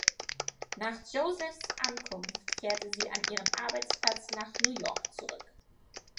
Nach Josephs Ankunft kehrte sie an ihren Arbeitsplatz nach New York zurück.